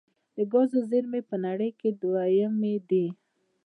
د ګازو زیرمې یې په نړۍ کې دویمې دي.